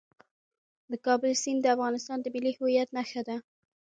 د کابل سیند د افغانستان د ملي هویت نښه ده.